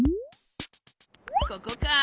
ここか。